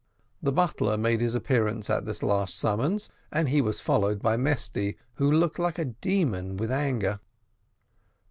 The butler made his appearance at this last summons, and he was followed by Mesty, who looked like a demon with anger.